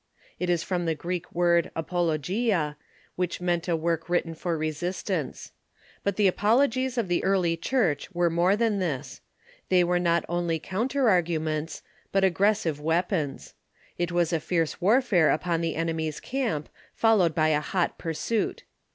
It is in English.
It is from the Greek word apologia, Two Classes of ^^ j^j^.j^ meant a work written for resistance. But Apologists the apologies of the early Church were more than this. They were not only counter arguments, but aggressive weapons. It was a fierce warfare upon the enemy's camp, fol lowed by a hot pursuit.